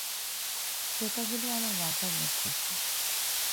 পোকাগুলো আমার মাথার মধ্যে আছে।